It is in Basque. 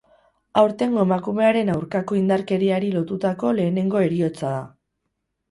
Aurtengo emakumearen aurkako indarkeriari lotutako lehenengo heriotza da.